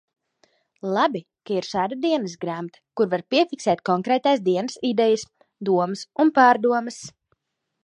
Labi, ka ir šāda dienasgrāmata, kur var piefiksēt konkrētās dienas idejas, domas un pārdomas.